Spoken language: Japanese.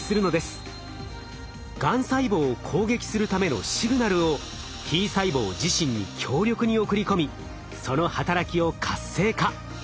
がん細胞を攻撃するためのシグナルをＴ細胞自身に強力に送り込みその働きを活性化。